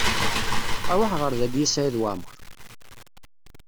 Rwaḥ ɣer dayi a Saɛid Waɛmaṛ!